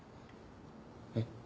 えっ？